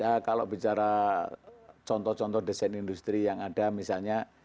ya kalau bicara contoh contoh desain industri yang ada misalnya